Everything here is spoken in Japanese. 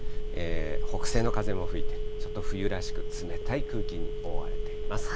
北西の風も吹いて、ちょっと冬らしく、冷たい空気に覆われています。